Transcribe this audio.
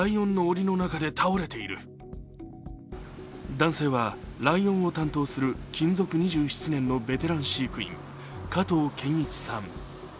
男性は、ライオンを担当する勤続２７年のベテラン飼育員、加藤健一さん。